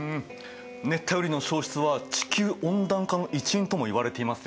熱帯雨林の消失は地球温暖化の一因ともいわれていますよね。